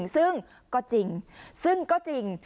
ซึ่งก็จริง